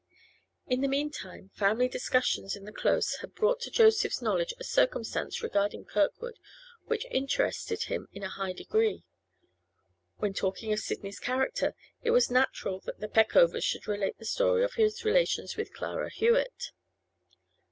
In the meantime family discussions in the Close had brought to Joseph's knowledge a circumstance regarding Kirkwood which interested him in a high degree. When talking of Sidney's character, it was natural that the Peckovers should relate the story of his relations with Clara Hewett.